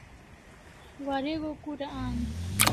Warego kura an?